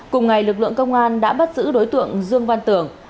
cùng ngày lực lượng công an đã bắt giữ đối tượng dương văn tưởng